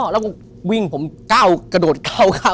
แล้วก็วิ่งผมก้าวกระโดด๙คำ